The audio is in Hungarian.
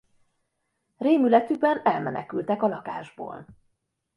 Rémületükben elmenekültek a lakásból.